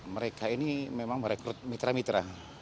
mereka ini memang merekrut mitra mitra